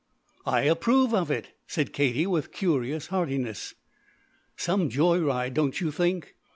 "I approve of it," said Katie, with curious heartiness. "Some joy ride, don't you think?"